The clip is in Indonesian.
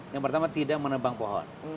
yang pertama tidak menebang pohon